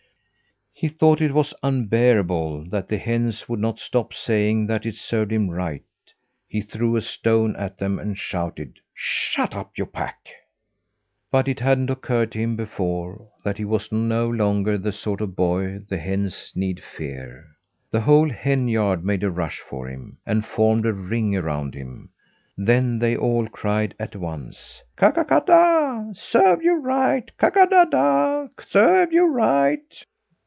He thought it was unbearable that the hens would not stop saying that it served him right. He threw a stone at them and shouted: "Shut up, you pack!" But it hadn't occurred to him before, that he was no longer the sort of boy the hens need fear. The whole henyard made a rush for him, and formed a ring around him; then they all cried at once: "Ka, ka, kada, served you right! Ka, ka, kada, served you right!"